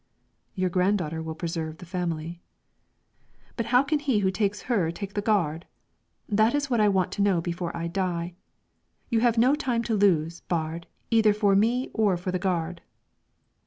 "Your granddaughter will preserve the family." "But how can he who takes her take the gard? That is what I want to know before I die. You have no time to lose, Baard, either for me or for the gard."